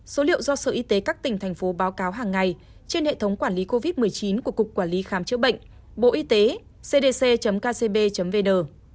số liệu do sở y tế các tỉnh thành phố báo cáo hàng ngày trên hệ thống quản lý covid một mươi chín của cục quản lý khám chữa bệnh bộ y tế cdc kcb vn